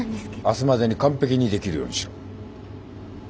明日までに完璧にできるようにしろ。